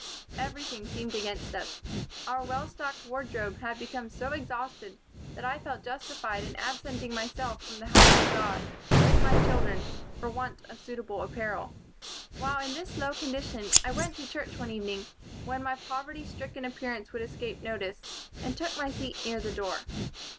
"Everything seemed against us. Our well stocked wardrobe had become so exhausted that I felt justified in absenting myself from the house of God, with my children, for want of suitable apparel. While in this low condition, I went to church one evening, when my poverty stricken appearance would escape notice, and took my seat near the door.